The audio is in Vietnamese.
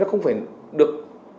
nó không phải được